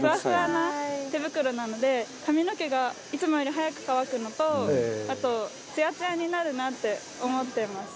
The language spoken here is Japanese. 髪の毛がいつもより早く乾くのとあとツヤツヤになるなって思ってます。